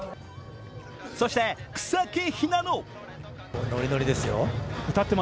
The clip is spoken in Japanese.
そして草木ひなの。